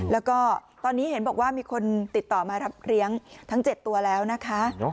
แล้วก็ตอนนี้เห็นบอกว่ามีคนติดต่อมารับเลี้ยงทั้ง๗ตัวแล้วนะคะ